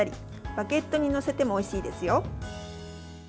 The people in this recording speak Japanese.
バゲットに載せてもおいしいですよ。